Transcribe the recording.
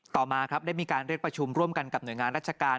ต่อมาครับได้มีการเรียกประชุมร่วมกันกับหน่วยงานราชการ